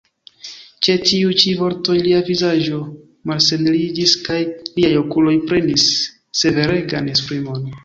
Ĉe tiuj ĉi vortoj lia vizaĝo malsereniĝis, kaj liaj okuloj prenis severegan esprimon.